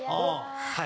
はい。